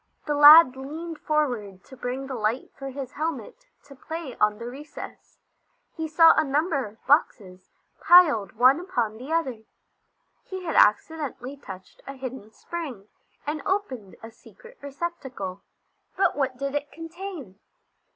The lad leaned forward to bring the light for his helmet to play on the recess. He saw a number of boxes, piled one upon the other. He had accidentally touched a hidden spring and opened a secret receptacle. But what did it contain?